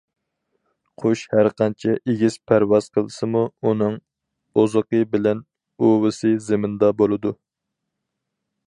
قۇش ھەر قانچە ئېگىز پەرۋاز قىلسىمۇ، ئۇنىڭ ئوزۇقى بىلەن ئۇۋىسى زېمىندا بولىدۇ.